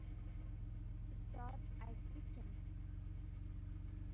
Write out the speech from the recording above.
Ustod aytdikim: